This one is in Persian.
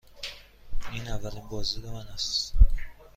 این اولین بازدید من است.